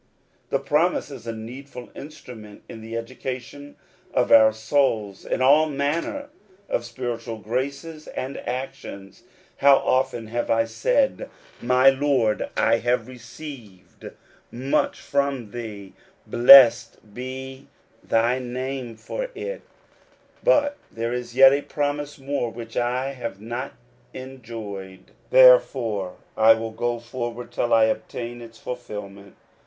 The promise is a needful instrument in the educa tion of our souls in all manner of spiritual graces and actions. How often have I said, " My Lord, The Peculiar Treasure of Believers, 6i I have received much from thee, blessed be thy name for it ; but thefe is yet a promise more which I have not enjoyed ; therefore I will go forward till I obtain its fulfilment